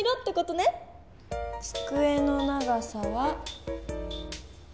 つくえの長さは。